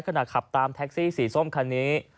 ขณะขับตามแท็กซี่สีส้มคันนี้